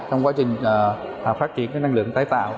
trong quá trình phát triển năng lượng tái tạo